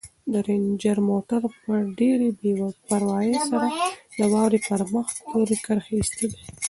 رنجر موټر په ډېرې بې پروايۍ سره د واورې پر مخ تورې کرښې ایستلې.